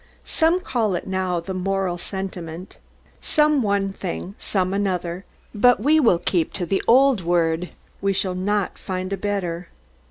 Some call it now the moral sentiment, some one thing, some another, but we will keep to the old word: we shall not find a better.